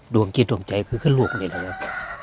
ดวงกินฟรั่งใจคือกันลูกนี่แล้วครับ